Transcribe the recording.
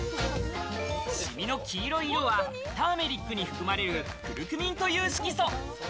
シミの黄色い色はターメリックに含まれるクルクミンという色素。